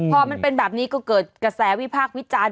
พอมันเป็นแบบนี้ก็เกิดกระแสวิพากษ์วิจารณ์